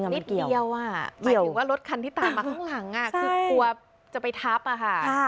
นิดเดียวอ่ะหมายถึงว่ารถคันที่ตามมาข้างหลังคือกลัวจะไปทับอะค่ะ